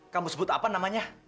kamu sebut apa namanya